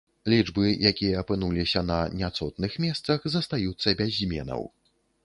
Лічбы, якія апынуліся на няцотных месцах, застаюцца без зменаў.